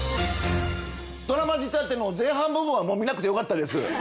ドラマ仕立ての前半部分は見なくてよかったです。